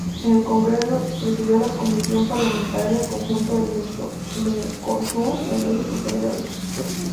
En el Congreso, presidió la comisión parlamentaria conjunta del Mercosur en dos oportunidades.